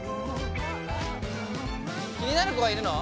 気になる子がいるの？